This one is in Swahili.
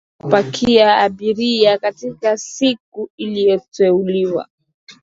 baada ya kupakia abiria katika siku iliyoteuliwa